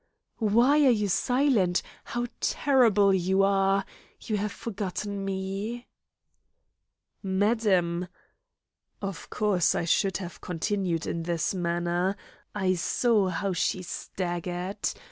"Why are you silent? How terrible you are! You have forgotten me!" "Madam " Of course, I should have continued in this manner; I saw how she staggered.